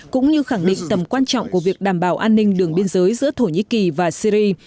cũng như khẳng định tầm quan trọng của việc đảm bảo an ninh đường biên giới giữa thổ nhĩ kỳ và syri